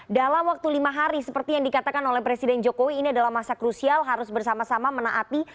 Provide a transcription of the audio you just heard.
dalam waktu lima hari seperti yang dikatakan oleh presiden jokowi ini adalah masa krusial harus bersama sama menaati